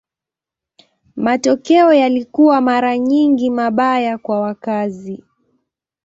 Matokeo yalikuwa mara nyingi mabaya kwa wakazi.